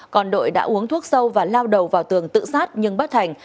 còn đội đã uống thuốc sâu và lao đầu vào tường tự sát nhưng bất thành